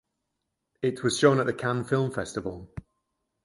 It was shown at the Cannes Film Festival.